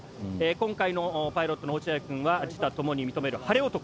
今回のパイロットの落合くんは自他ともに認める“晴れ男”。